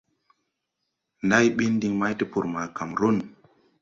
Ndáy ɓin diŋ may tupuri ma Kamrun.